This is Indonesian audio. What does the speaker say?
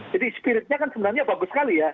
spiritnya kan sebenarnya bagus sekali ya